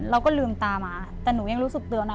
เราก็ลืมตามาแต่หนูยังรู้สึกเตือนนะ